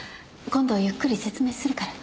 今度ゆっくり説明するから。